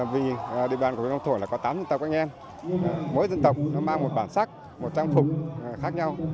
vì địa bàn của huyện phong thổ là có tám dân tộc anh em mỗi dân tộc nó mang một bản sắc một trang phục khác nhau